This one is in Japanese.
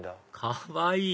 かわいい！